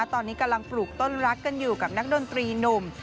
ตอนนี้กำลังปลูกต้นรักกันอยู่กับนักดนตรีหนุ่ม